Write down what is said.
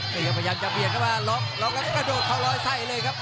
พยายามพยายามจะเบียดเข้ามาล็อกล็อกแล้วกระโดดเข้าลอยใส่เลยครับ